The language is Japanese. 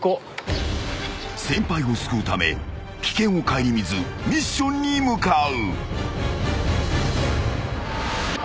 ［先輩を救うため危険を顧みずミッションに向かう］